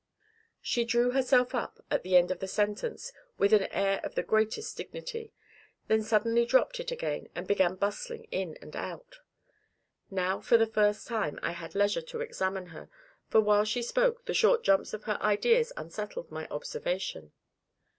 She drew herself up, at the end of the sentence, with an air of the greatest dignity; then suddenly dropped it again, and began bustling in and out. Now for the first time, I had leisure to examine her, for while she spoke, the short jumps of her ideas unsettled my observation.